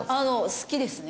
好きですね。